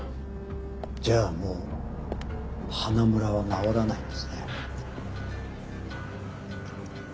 じゃあもう花村は治らないんですね？